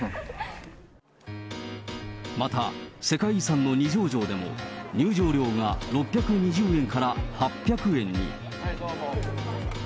また、世界遺産の二条城でも、入場料が６２０円から８００円に。